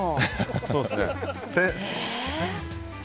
そうですね。え！？